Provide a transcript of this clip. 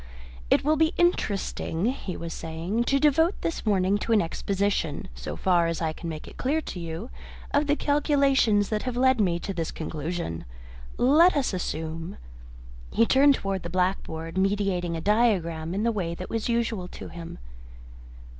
"It will be interesting," he was saying, "to devote this morning to an exposition, so far as I can make it clear to you, of the calculations that have led me to this conclusion. Let us assume " He turned towards the blackboard, meditating a diagram in the way that was usual to him.